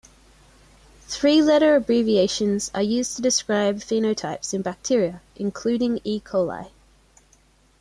Three-letter abbreviations are used to describe phenotypes in bacteria including "E. coli".